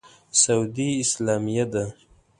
سعودي اسلامه دی.